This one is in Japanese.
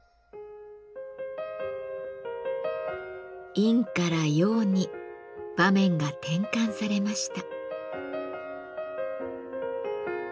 「陰」から「陽」に場面が転換されました。